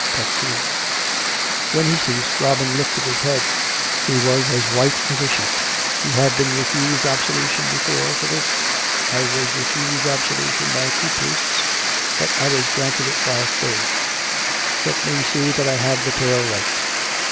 II When he ceased, Robin lifted his head. He was as white as a sheet. " You have been refused absolution before for this ?"" I was refused absolution by two priests; but I was granted it by a third." " Let me see that I have the tale right.